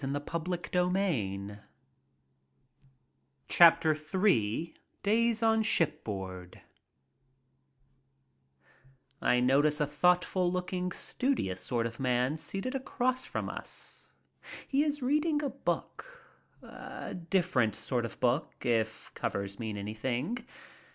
For th^ mQment I ajn content, Ill DAYS ON SHIPBOARD I NOTICE a thoughtful looking, studious sort of man seated across from us. He is reading a book, a different sort of book, if covers mean anything.